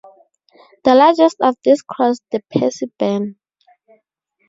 The largest of these crossed the Percy Burn.